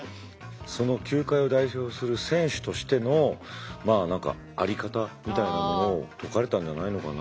その球界を代表する選手としての在り方みたいなものを説かれたんじゃないのかな。